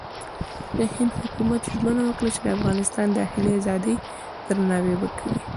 د هند حکومت ژمنه وکړه چې د افغانستان د داخلي ازادۍ درناوی به کوي.